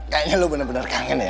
kayaknya lo bener bener kangen ya